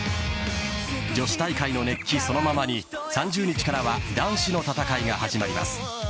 女子大会の熱気そのままに３０日からは男子の戦いが始まります。